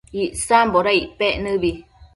Icsamboda icpec nëbi?